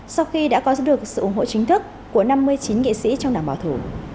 sau khi đã có được sự ủng hộ chính thức của năm mươi chín nghị sĩ trong đảng bảo thủ